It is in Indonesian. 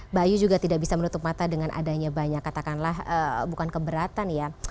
mbak ayu juga tidak bisa menutup mata dengan adanya banyak katakanlah bukan keberatan ya